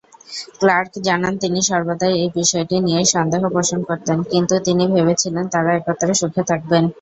Clerk জানান তিনি সর্বদাই এই বিষয়টি নিয়ে সন্দেহ পোষণ করতেন কিন্তু তিনি ভেবেছিলেন তারা একত্রে সুখে থাকবেন।